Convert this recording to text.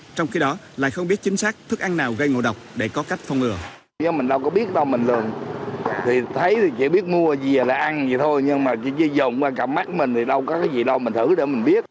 trong khi đó lại không biết chính xác thức ăn nào gây ngộ độc để có cách phòng ngừa